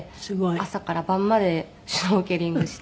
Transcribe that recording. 朝から晩までシュノーケリングして。